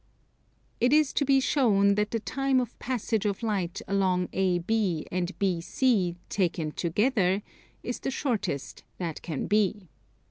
It is to be shown that the time of passage of light along AB and BC taken together, is the shortest that can be.